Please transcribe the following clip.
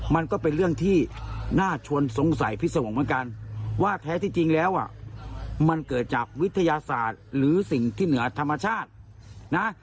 มันก็เป็นเรื่องที่น่าชวนสงสัยพิสวงศ์เหมือนกันว่าแท้ที่จริงแล้วมันเกิดจากวิทยาศาสตร์หรือสิ่งที่เหนือธรรมชาตินะ